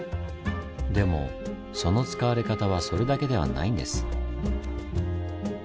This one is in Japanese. でもその使われ方はそれだけではないんです。